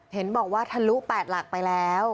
เห็นบอกว่าทะลุ๘หลักไปแล้ว